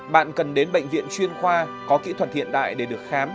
bạn cần đến bệnh viện chuyên khoa có kỹ thuật hiện đại để được khám